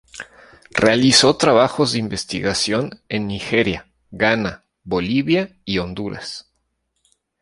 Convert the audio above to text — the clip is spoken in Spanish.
Realizó trabajos de investigación en Nigeria, Ghana, Bolivia y Honduras.